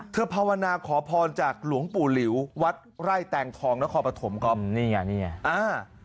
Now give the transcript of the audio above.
ภาวนาขอพรจากหลวงปู่หลิววัดไร่แตงทองนครปฐมก็นี่ไงนี่ไงอ่า